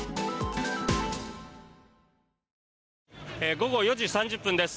午後４時３０分です。